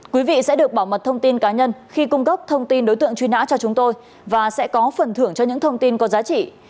quý vị sẽ được bảo mật thông tin cá nhân khi cung cấp thông tin đối tượng truy nã cho chúng tôi và sẽ có phần thưởng cho những thông tin có giá trị